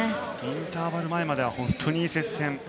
インターバル前までは本当に接戦。